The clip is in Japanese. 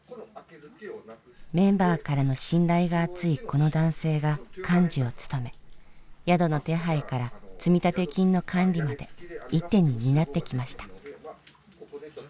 メンバーからの信頼が厚いこの男性が幹事を務め宿の手配から積立金の管理まで一手に担ってきました。